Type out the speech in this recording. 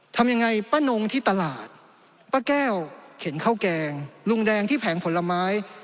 ทำยังไงป้านงที่ตลาดป้าแก้วเข็นข้าวแกงลุงแดงที่แผงผลไม้